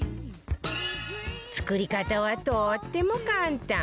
作り方はとっても簡単